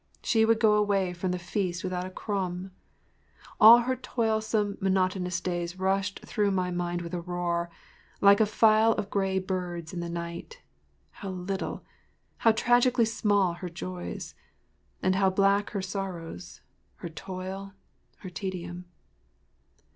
She would go away from the feast without a crumb. All her toilsome, monotonous days rushed through my mind with a roar, like a file of gray birds in the night—how little—how tragically small her joys, and how black her sorrows, her toil, her tedium.